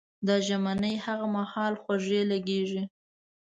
دا ژمنې هغه مهال خوږې لګېږي.